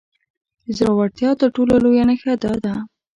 د زورورتيا تر ټولو لويه نښه دا ده.